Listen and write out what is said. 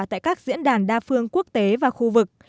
tại các diễn đàn đa phương quốc tế và khu vực